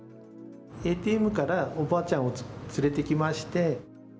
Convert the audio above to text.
ＡＴＭからおばあちゃんを連れてきまして。